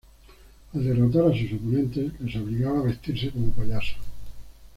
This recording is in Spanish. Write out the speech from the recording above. Al derrotar a sus oponentes, les obligaba a vestirse como payasos.